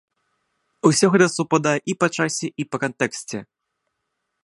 Усё гэта супадае і па часе, і па кантэксце.